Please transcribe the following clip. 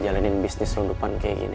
jalanin bisnis lu depan kayak gini